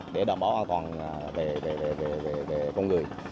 để đảm bảo an toàn về con người